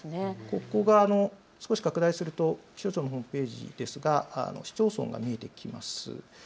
ここが少し拡大すると気象庁のページですが市町村が見えてきます。